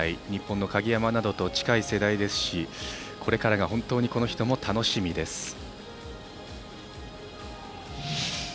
日本の鍵山などと近い世代ですしこれからが本当にこの人も楽しみです。